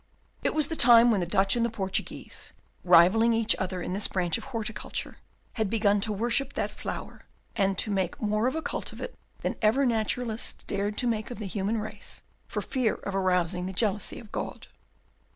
It was the time when the Dutch and the Portuguese, rivalling each other in this branch of horticulture, had begun to worship that flower, and to make more of a cult of it than ever naturalists dared to make of the human race for fear of arousing the jealousy of God.